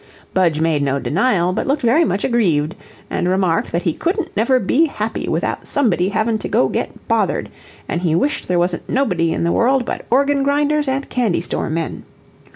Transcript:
Budge made no denial, but looked very much aggrieved, and remarked that he couldn't never be happy without somebody having to go get bothered; and he wished there wasn't nobody in the world but organ grinders and candy store men.